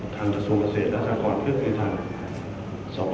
ทางศูนย์ประเสริฐและศาครคือทางสรรคกร